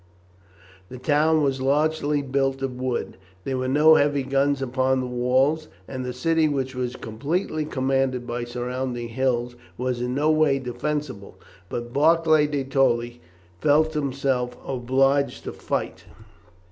The town was largely built of wood. There were no heavy guns upon the walls, and the city, which was completely commanded by surrounding hills, was in no way defensible, but Barclay de Tolly felt himself obliged to fight.